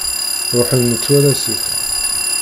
Ṛuḥen metwal asif.